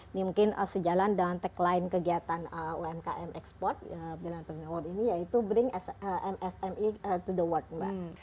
ini mungkin sejalan dan tagline kegiatan umkm export brilliant preneur ini yaitu bring msme to the world mbak